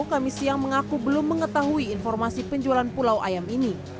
kami siang mengaku belum mengetahui informasi penjualan pulau ayam ini